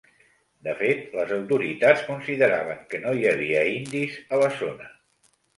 De fet, les autoritats consideraven que no hi havia indis a la zona.